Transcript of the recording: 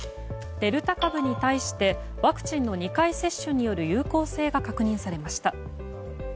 デルタ株に対してワクチンの２回接種による有効性が確認されました。